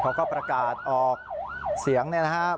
เขาก็ประกาศออกเสียงเนี่ยนะครับ